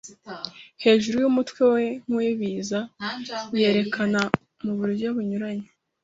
hejuru yumutwe we nkuwibiza, yerekana muburyo bunyuranye.